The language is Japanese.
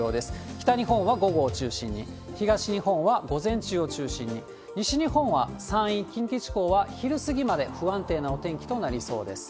北日本は午後を中心に、東日本は午前中を中心に、西日本は山陰、近畿地方は昼過ぎまで不安定なお天気となりそうです。